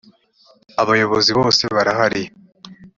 abayobozi bose barahari.